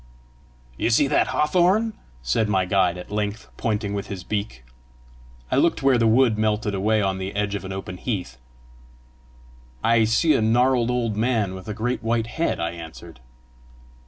"You see that hawthorn?" said my guide at length, pointing with his beak. I looked where the wood melted away on the edge of an open heath. "I see a gnarled old man, with a great white head," I answered.